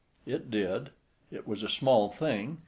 It did. It was a small thing.